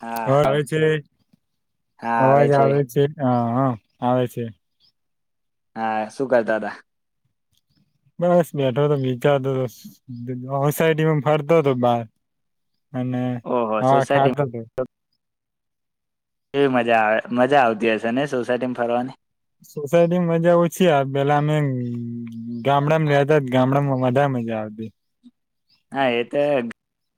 હા અવા અવાજ. આવે છે? અવાજ આવે છે? હન. આવે છે. હા, શું કરતા તા. બસ, બેઠો તો વિચારતો તો. હોસાયટીમ ફરતો તો બાર અને ઓહો હવા સોસાયટી ખાતો તો. કેવી મજા આવે. મજા આવતી હશે ને સોસાયટીમ ફરવાની. સોસાયટી મજા ઓછી આવે. પેલા અમે ગામડામાં રેતા. ગામડામ ત્યા મજા આવતી. હા, એ તો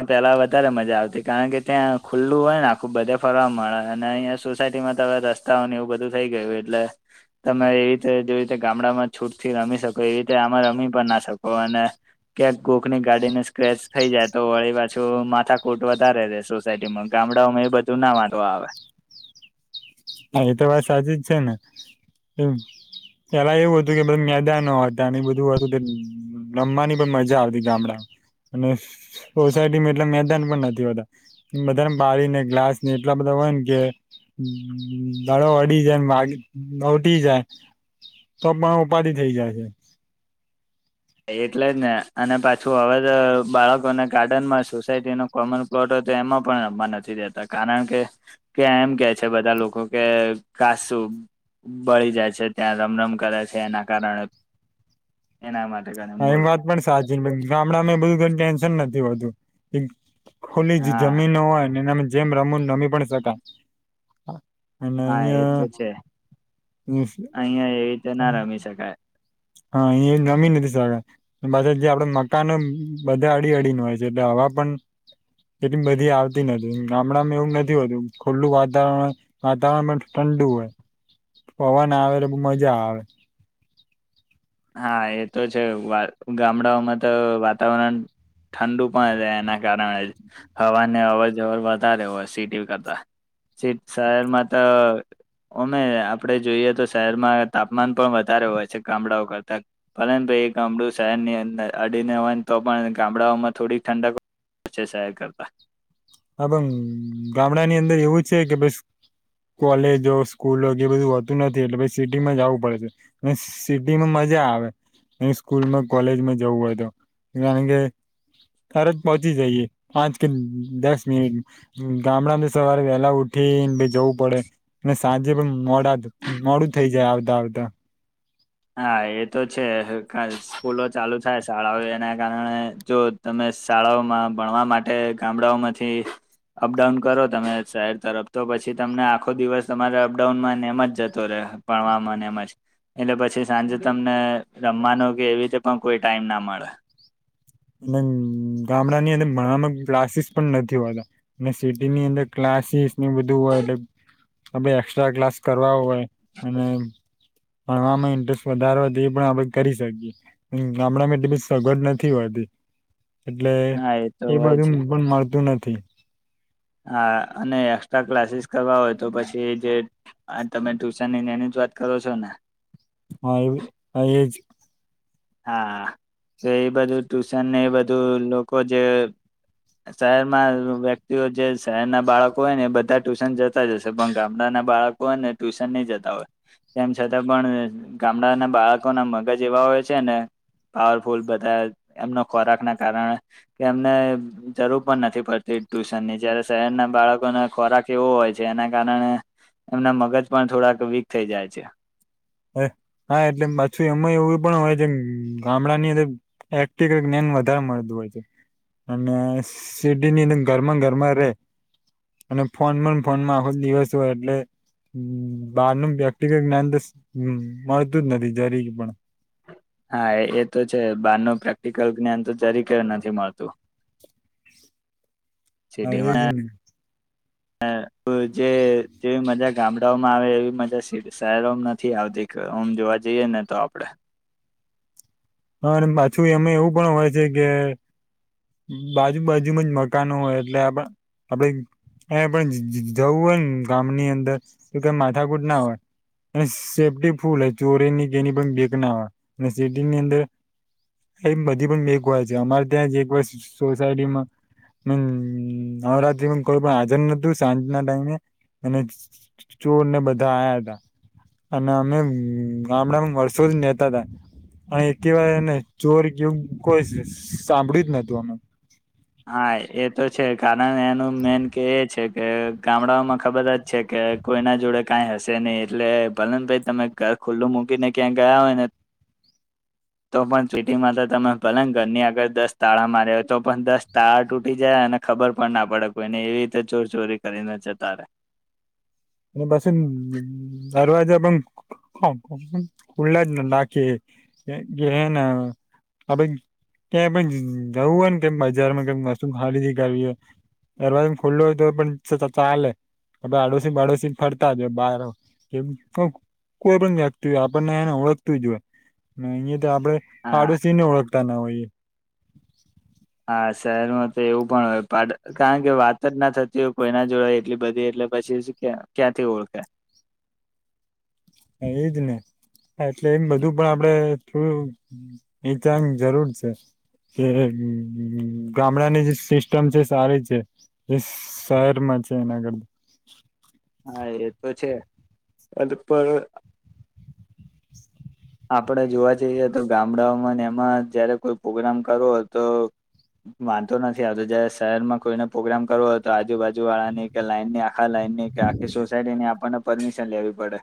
પેલા વધારે મજા આવતી. કારણ કે ત્યાં ખુલ્લું હોય ન આખું બધે ફરવા મળે અને અહીયા સોસાયટી માં ત રસ્તાઓ એવું બધું થઈ ગયું એટલે તમે એવી રીતે જેવી રીતે ગામડામાં છૂટ થી રમી શકો એવી રીતે આમાં રમી પણ ના શકો અને ક્યાંક કોકને ગાડીને સ્ક્રેચ થઈ જાય તો વળી પાછું માથા કૂટ વધારે રેય સોસાયટીમાં ગામડાઓમાં એ બધું ના વાંધો આવે. હા એતો વાત સાચી જ છે, ને એમ પેલા એવું હતું કે બધ મેદાન હતા બધું હતું કે લમવાની પણ મજા આવતી ગામડામાં અને સોસાયટીમાં એટલા મેદાન પણ નથી હોતા બધાને બાળીને ગ્લાસ ને એટલા બધા હોય ન કે દડો અડી જાયને મા હટી જાય તો પણ ઉપાડી થઇ જાય છે. એટલે જ ને અને પાછું હવે તો બાળકોને ગાર્ડનમાં સોસાયટી નો કોમન પ્લોટ તો એમાં પણ રમવા નથી દેતા કારણ કે કે એમ કે છે, બધા લોકો કે કાસું બળી જાય છે, ત્યાં રમ રમ કરે છે, એના કારણે એના મા હા એમ વાત પણ સાચી ગામડામાં બધું ટેન્શન નથી હોતું ખુલી હા જમીનો હોય ને એને જેમ રમોને રમી પણ શકાય અને હા એ અયા તો છે અહિયાં એવી રીતે ના રમી શકાય હા એ નમી નથી શકાય પાછા જે આપડે મકનો બધા અડી અડીને હોય છે, એટલે આ વા પન એટલી બધી આવતી નથી ગામડામાં એવું નથી હોતું ખુલ્લું વાતાવરણ વાતાવરણ પણ ઠંડુ હોય પવન આવે મજા આવે હા એ તો છે, વા ગામડાઓમાં તો વાતાવરણ ઠંડુ પણ રહે એના કારણે હવાને અવર જવર વધારે હોય સિટી કરતા સીટ સહેર માત અમે આપડે જોઈએ તો શહેરમાં તાપમાન પણ વધારે હોય છે, ગામડાઓ કર તા પરંતુ એ ગામડું શહેરની અંદર અડીને હોય તો પણ ગામડાઓમાં થોડી ઠંડક છે, શહેર કરતા હા પણ ગામડાની અંદર એવું છે, કે બસ કોલેજો સ્કૂલો એ બધું હોતું નથી એટલે પછી સિટીમાં જવું પડે છે, ને સિટીમાં મજા આવે સ્કૂલમાં કોલેજમાં જવું હોય તો કારણ કે તરત પહોંચી જઈએ પાંચ કે દસ ની ગામડા સવારે વહેલા ઉઠીને જવું પડે સાંજે પણ મોડા મોડું થઇ જાય આવતા આવતા હા એ તો છે, સ્કૂલો ચાલુ થાય શાળાઓ એના કારણે જો તમે શાળાઓમાં ભણવા માટે ગામડાઓમાંથી અપડાઉન કરો તમે શહેર તરફ તો પછી તમને આખો દિવસ તમારે અપડાઉનમાં ને એમ જ જતો રહે ભણવામાં ને એમ જ એટલે પ છી સાંજે તમને રમવાનું કે એવી રીતે પણ કોઈ ટાઈમ ના મળે અને ગામડાની અંદર ભણવામાં ક્લાસીસ પણ નથી હોતા અને સિટીની અંદર ક્લા ક્લાસીસ બધું હોય એટલે એક્સ્ટ્રા ક્લાસ કરવા હોય અને ભણવામાં ઇન્ટરેસ્ટ વધારે હોય તો એ પણ આપણે કરી શકીએ ગમણાંમાં બી સગડ નથી હોતી એટલે હા તો એ હોય બાજું છે પણ મળતું નથી હા અને એસ્ટ્રા ક્લાસીસ કરવા હોય તો પછી જે હ તમે ટ્યુશન ની એની જ વાત કરો છો ને હા એ હા એજ હા તો એ બધું ટુશનને એ બધું લોકો જે શહેરમાં વ્યક્તિઓ જે શહેર ના બાળકો હોય ને એ બધા ટ્યુશન જતા જશે પણ ગામડા ના બાળકોને ટ્યુશન ની જતા હોય તેમ છતાં પણ ગામડાના બાળકોના મગજ એવા હોય છે, ને પાવરફુલ બધા એમનો ખોરાકના કારણે કે એમને જરૂર પણ નથી પડતી ટ્યુશનની જયારે શહેરના બાળકોને ખોરાક એવો હોય છે, એના કારણે એમના મગજ પણ થોડાક વીક થઈ જાય છે હ હા એટલે પાછું એમાં એવું પણ હોય જે ગામડા ની અ વધારે મળતું હોય છે અને સિટીની અંદર ઘરમાં ઘરમાં રે અને ફોન પણ ફોન માં આખો જ દિવસ હોય એટલે બહાર ન વ્યક્તિગત જ્ઞાન તો મળતું જ નથી જરી પણ હા એ તો છે બાર ન પ્રેક્ટિકલ જ્ઞાન તો જરીકે નથી મળતું હા એ સિટીમાં જ ન ન જેવી મજા ગામડાઓમાં આવે એવી મજા શહેરોમાં નથી આવતી જોવા જઈએ ને તો આપડે હા અને પાછું એમાં એવું પણ હોય છે કે બાજુ બાાજુમાં જ મકાનો હોય એટલે આપ આપડ એ પણ જવું હોય ને ગામની અંદર તો ક માથાકૂટ ના હોય સેફ્ટી ફૂલ હ ચોરીની કેની પણ બેક ના હો અને સેફીની અંદર એમ બધી પણ બીક હોય છે અમારે ત્યાં જે એક વાર સોસાયટીમાં હમ નવરાત્રિમાં કોઈ પણ હાજર નહોતું સાંજ ના ટાઈમે અને ચોર ને બધા આયા હતા અને અમે ગામડામાં વર્ષો જ નેતા હતા અ એવાને ચોર કયવું કોઈ સાંભળ્યું જ નતું અમે હા એ તો છે કારણ એનું મેન કે એ છે કે ગામડાઓમાં ખબર જ છે કે કોઈના જોડે કઈ હશે નહીિ એટલે ભલન ભાઈ તમે ઘર ખુલ્લું મૂકીને ક્યાં ગયા હોય ને [inaudible] તો પણ સિટીમાં તો તમે ભલે ને ઘરની આગર દસ તાળા માર્યા હોય તો પણ દસ તાર તૂટી જાય અને ખબર પણ ના પડે કોઈને એવી રીતે ચોરચોરી કરીને છે તારે અને બસે દરવાજા પણ ખુલ્લા જ નાખીએ કે હેં ન આપ ક્યા પણ જવું હોય ને કેમ બજારમાં કે વસ્તુ ખરીદી કરવી હો દરવાજો ખુલ્લો હોય તો પણ ચાલે આડોશી બાડોશી ફરતા જ બાર એ કોઈ પણ જખતું હો આપણને એને ઓળખતું જો હોય અહં તો આપડણે હા પાડોશીને ઓળખતા ના હોઈ હા શહેરમાં તો એવું પણ હોય કારણ કે વાત જ ના થતી હોય કોઈના જોડે એટલી બધી એટલે પછી ક્યાંથી ઓળખે એજ ને એટલે એમ બધું પણ આપડે થડું નીચાંગ જરૂર છે કે ગામડાની જે સિસ્ટમ છે સારી છે એ શહેરમાં છે એના કરતાં અદ પર આપણે જોવા જઈએ તો ગામડાઓમાં ને એમાં, જયારે કોઈ પોગરામ કરવો હોય તો વાંધો નથી આવતો, જયારે શહેરમાં કોઈને પોગરામ કરવો હોય તો આજુબાજુવાળાની કે લાઈનની આ આખા લાઈનની કે આખી સોસાયટીની આપણને પરમિશન લેવી પડે.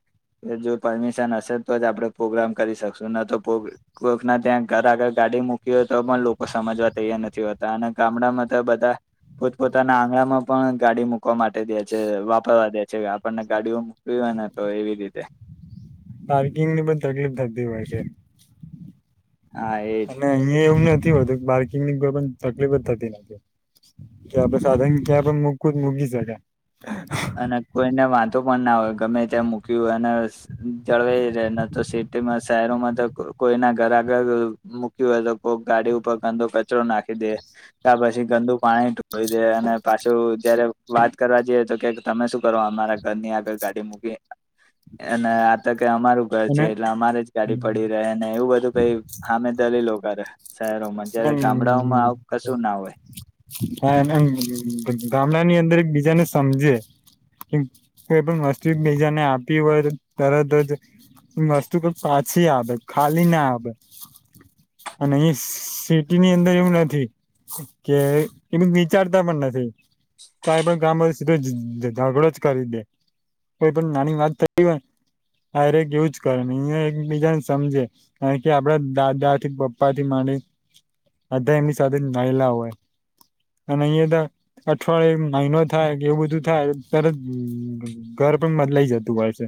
જો પરમિશન હશે તો જ આપડે પોગરામ કરી શકશું. ન તો પોગ કોઈકના ત્યાં ઘર આગળ ગાડી મૂકી હોય તો પણ લોકો સમજવા તૈયાર નથી હોતા. અને ગામડામાં તો બધા પોતપોતાના આંગણામાં પણ ગાડી મૂકવા માટે દે છે, વાપરવા દે છે. આપણને ગાડીઓ મૂકવી હોયને તો એવી રીતે પાર્કિંગની બી તકલીફ થતી હોય છે. હા એજ અને અહીયાં એવું નથી હોતું, પાર્કિંગની કોઈ પન તકલીફ જ થતી નથી. ત્યાં આપણે સાધન ક્યાં પણ મૂકવુ હોય ત મૂકી સકાય. અને કોઈને વાંધો પણ ના હોય. ગમે ત્યાં મક્યું અને જળવાઈ રે ન તો સિટીમાં શહેરોમાં તો કો કોઈના ઘર આગળ મૂક્યુ હોય તો કોક ગાડી ઉપર ગંદો કચરો નાખી દે, તાર પછી ગં દુ પાણી ઢોળી દે અને પાછું જયારે વાત કરવા જઈએ તો કે તમે શું કરવા અમારા ઘરની આગળ ગાડી મૂકી અને આ ત તે અમારું ઘર છે અને એટલે અમારે જ ગાડી પડી રહે ને એવું બધું કઈ હામે દલીલો કરે. શહેરોમાં જયારે ગામડાઓમાં આવુ કશું ના હોય. હા [unintelligible] ગા ગામડાની અંદર એક બીજાને સમજે. કે કોઈ પણ વસ્તુ એક બીજાને આપી હોય તો તરત જ વસ્તુ ક પાછી આવે ખાલી ના આવેે અને ઇસ સિટીની અંદર એવું નથી કે એટલું વિચારતા પણ નથી. કઈ પણ કામ હોય તો સીધો ઝ ઝાગડો જ કરી દે. કોઈ પણ નાની વાત થતી હોય ને આરેક એવું જ કરે ને અહીંયા એકબીજાન સમજે કારણ કે આપડા દાદાથી પપ્પાથી માંડી બધા એની સાથે નાયલા હોય. અને અહિયાં તો અઠવાડિયો મહિનો થાય કે એવું બધું થાય તરત ગ [unintelligible] પણ બદલાઈ જતું હોય છે.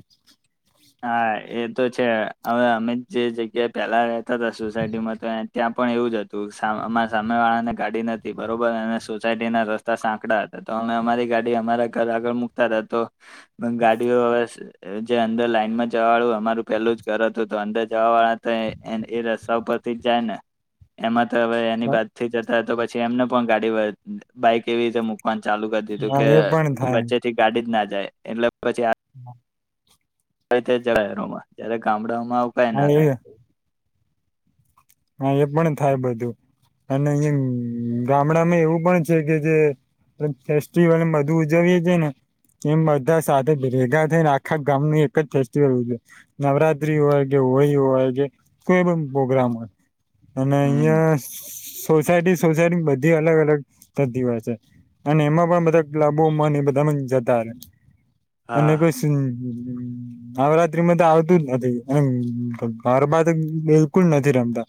હા એ તો છે અવે અમે જ જે જગ્યાએ પેલા રહેતા હતા સોસાયટીમાં તો ત્યાં પણ એવું જ હતું સા અમાર સામેવાળા ને ગાડી નતી બરોબર અને સોસાયટીના રસ્તા સાંકડા હતા તો અમે અમારી ગાડી અમારા ઘર આગળ મુકતા તા તો ગાડીઓ જે અંદર લાઈન માં જવાવાળું અમારું પેલું જ ઘર હતું તો અંદર જવાવાળા તો એ રસ્તા ઉપરથી જ જાય ને. એમાં તો હવે એની બાદથી જતા તો પછી એમને પણ ગાડી બાઈક એવી રીતે મુક વાનું ચાલુ કરી દીધું હા કે એ પણ થાય વચ્ચે થી ગાડી જ ના જાય એટલે પછી હ. [unintelligible] જયારે ગામડાઓમાં આવુ કંઈ હા ના એ થાય. હા એ પણ થાય બધું. અને અહિયાં ગામડામાં એવું પણ છે કે જે તો ફેસ્ટિવલ બધું ઉજવીએ છે ને એમ બધા સાથે ભેગા થઈને આખા ગામનું એક જ ફેસ્ટિવલ ઉજવે નવરાત્રી હોય કે હોળી હોય કે કોઈ પણ પોગરામ હોય અને હમ અહીંયા સા સોસાયટી સોસાયટીની બધી અલગ અલગ થતી હોય છે અને એમાં પણ બધા ક્લબોમાં ને એ બધા માં જતા રે અને હા કોઈ સી નવરાત્રી માં તો આવતું જ નથી અને ગરબા તો બિલકુલ નથી રમતા.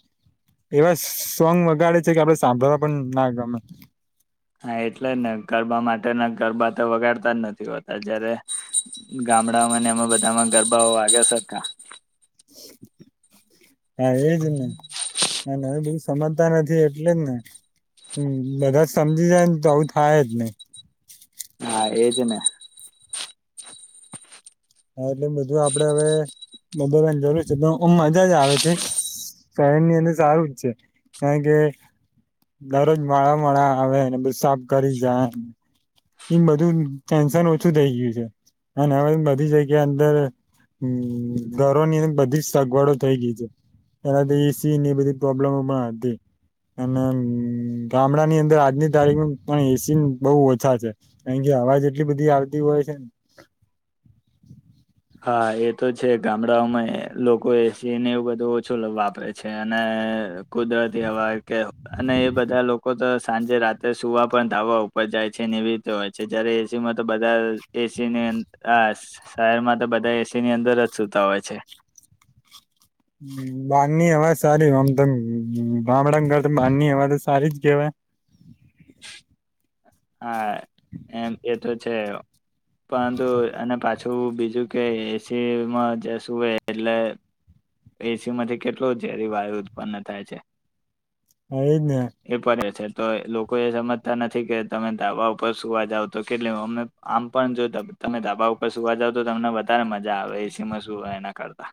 એવા સો સોંગ વગાડે છે કે આપડે સાંભળવા પણ ના ગમે. હા એટલે જ ને ગરબા માટેના ગરબા તો વગાડતા જ નથી હોતા જયારે ગામડાઓમાંને એમાં બધામાં ગરબાઓ વાગે સરખા. હા એ જ ને [unintelligible] સમજતા નથી એટલે જ ને. હમ્મ બધા જ સમજી જાય ને તો આવું થાય જ નહી. એજને. હા એટલે બધું આપડે હવે બદલવાની જરૂર છે પણ મજા જ આવે છે શ શહેર ની અંદર સારું જ છે. કારણ કે દરરોજ મોળા મોળા આવે ને બધું સાફ કરી જાય. એમ બધું ટેન્શન ઓછું થઈ ગયું છે અને હવે બ બધી જગ્યા અંદર હમ્મ ઘરોની અંદર બધી જ સગવડો થઈ ગઈ છે. એના તો એ સી ની બધી પ્રોબ્લેમો પણ હતી. અને ગા ગામડાની અંદર આજની તારીખ પણ એ સી બહુ ઓછા છે કારણ કે હવા જ એટલી બધી આવતી હોય છે ને. હા એ તો છે ગામડાઓમાં એ લોકો એસી ને એવ બધું ઓછું વાપરે છે અને કુદરતી હવા કે અને એ બધા લોકો તો શું સાંજે રાત્રે સુવા પણ ધાબા ઉપર જાય છે ને એવી રીતે હોય છે જયારે એ સી માં તો બધા એસી ને ને આ શ શહેરમાં તો બધા એસીની અંદર જ સુતા હોય છે. બારની હવાજ સારી આમ તેમ [unintelligible] બારની હવાજ તો સારી જ કહેવાય. હા એમ એ તો છે પરંતુ અને પાછું બીજું કે એસીમાં જસું એટલે એસી માંથી કેટલું ઝેરી વાયુ ઉત્પન્ન થાય છે એજ ને એ પણ એ છે તો લોકો એ સમજતા નથી કે તમે ધાબા ઉપર સુવા જાવ તો કેટલી અમે આમ પણ જો તમે ધાબા ઉપર સુવા જાવ તો તમને વધારે મજા આવે એસીમાં સુવા એના કરતા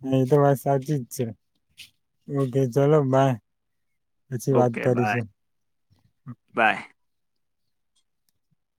[inaudible] હા એ તો વાત સાચી જ છે ઓકે ચલો બાય પછી વાત ઓકે કરીશ બાય બાય